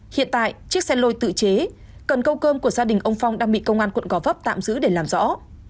hiện tại chiếc xe lôi tự chế cần câu cơm của gia đình ông phong đang bị công an quận gò vấp tạm giữ để làm rõ